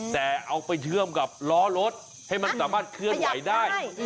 แต่เอาไปเชื่อมกับล้อรถให้มันสามารถเคลื่อนไหวได้